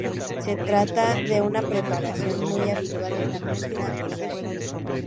Se trata de una preparación muy habitual en la cocina israelí.